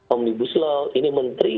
omnibus law ini menteri